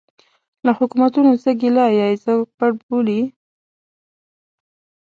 له حکومتونو څه ګیله یا یې څوک پړ بولي.